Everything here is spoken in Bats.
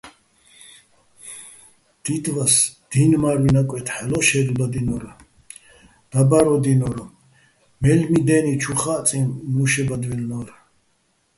დიდო́ვას დი́ნ მა́რუჲჼ ნაკვეთ ჰ̦ალო̆ შე́გლბადჲნო́რ, დაბა́რადჲინო́რ, მელ'მი დენი ჩუ ხაჸწიჼ მუშებადვაჲლნო́რ.